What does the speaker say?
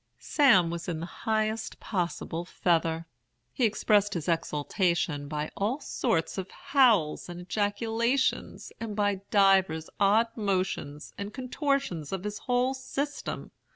"Sam was in the highest possible feather. He expressed his exultation by all sorts of howls and ejaculations, and by divers odd motions and contortions of his whole system.